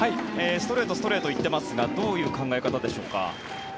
ストレート、ストレートに行っていますがどういう考え方でしょうか。